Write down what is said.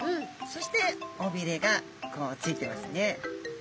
そしておびれがこうついてますね。